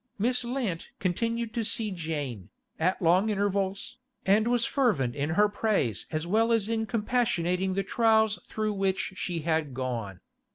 Miss Lant continued to see Jane, at long intervals, and was fervent in her praise as well as in compassionating the trials through which she had gone.